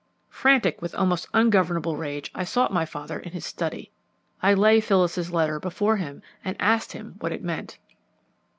Frantic with almost ungovernable rage, I sought my father in his study. I laid Phyllis's letter before him and asked him what it meant.